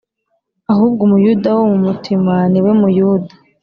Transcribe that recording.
Ahubwo Umuyuda wo mu mutima ni we Muyuda